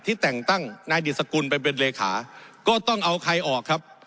แต่งตั้งนายดิสกุลไปเป็นเลขาก็ต้องเอาใครออกครับ